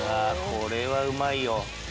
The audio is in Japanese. これはうまいよ